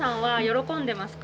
喜んでいます。